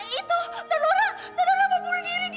itu laura laura mau bunuh diri di atas